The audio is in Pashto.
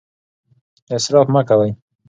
اسراف مه کوئ.